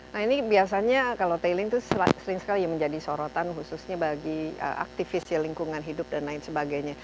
nah ini biasanya kalau tailing itu sering sekali menjadi sorotan khususnya bagi aktivis ya lingkungan hidup dan lain sebagainya